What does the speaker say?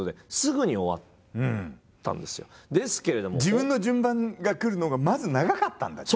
自分の順番が来るのがまず長かったんだじゃあ。